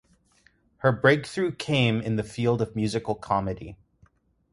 Her breakthrough came in the field of musical comedy.